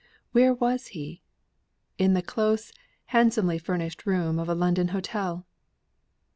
Where was he? In the close, handsomely furnished room of a London hotel!